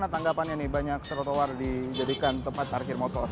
tanggapannya nih banyak trotoar dijadikan tempat parkir motor